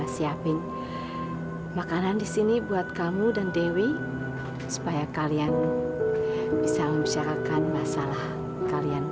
sampai jumpa di video selanjutnya